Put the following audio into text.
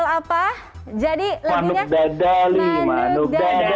tidak tidak tidak